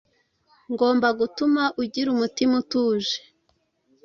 ngomba gutuma ugira umutima utuje